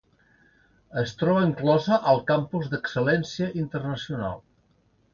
Es troba inclosa al campus d'excel·lència internacional.